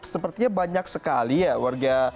sepertinya banyak sekali ya warga